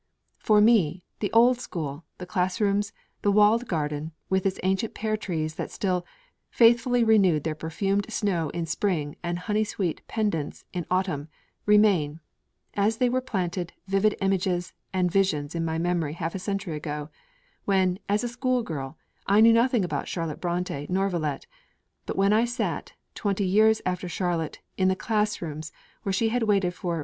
For me the old school, the class rooms, the walled garden, with its ancient pear trees that still 'faithfully renewed their perfumed snow in spring and honey sweet pendants in autumn,' remain as they were planted vivid images and visions in my memory half a century ago, when, as a schoolgirl, I knew nothing about Charlotte Brontë nor Villette: but when I sat, twenty years after Charlotte, in the class rooms where she had waited for M.